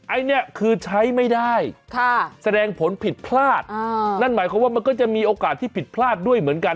อันนี้คือใช้ไม่ได้แสดงผลผิดพลาดนั่นหมายความว่ามันก็จะมีโอกาสที่ผิดพลาดด้วยเหมือนกัน